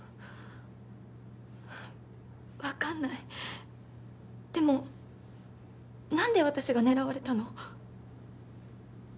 分かんないでも何で私が狙われたの？